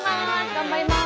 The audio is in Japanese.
頑張ります。